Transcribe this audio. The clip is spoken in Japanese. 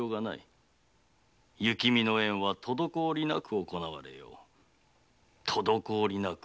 雪見の宴は滞りなく行われよう滞りなくな。